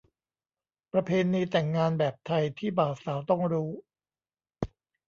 ประเพณีแต่งงานแบบไทยที่บ่าวสาวต้องรู้